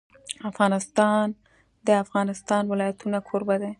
افغانستان د د افغانستان ولايتونه کوربه دی.